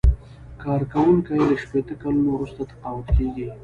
کارکوونکی له شپیته کلونو وروسته تقاعد کیږي.